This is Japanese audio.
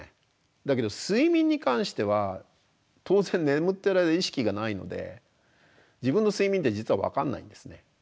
だけど睡眠に関しては当然眠ってる間意識がないので自分の睡眠って実は分かんないんですね。